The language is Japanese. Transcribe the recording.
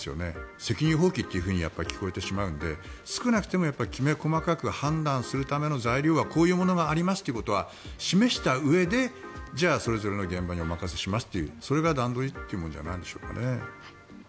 責任放棄と聞こえてしまうので少なくともきめ細かく判断するための材料はこういうものがありますということを示したうえでじゃあそれぞれの現場にお任せしますというそれが段取りというものじゃないんでしょうかね。